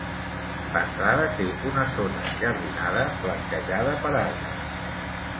L'entrada té una zona enjardinada flanquejada per arbres.